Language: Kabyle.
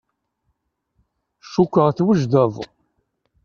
Cukkeɣ twejdeḍ.